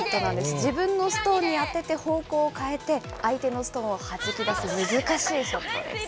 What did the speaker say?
自分のストーンに当てて方向を変えて、相手のストーンをはじき出す難しいショットです。